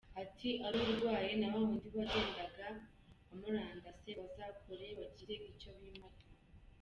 Ati“Ari urwaye na wawundi wagendaga amurandase bazakora bagire icyo bimarira.